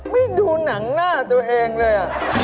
ไม่ดูหนังหน้าตัวเองเลย